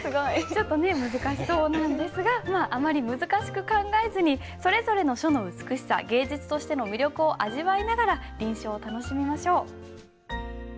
ちょっとね難しそうなんですがまああまり難しく考えずにそれぞれの書の美しさ芸術としての魅力を味わいながら臨書を楽しみましょう。